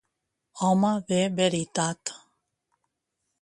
Home de veritat.